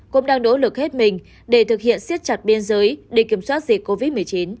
cũng đang nỗ lực hết mình để thực hiện siết chặt biên giới để kiểm soát dịch covid một mươi chín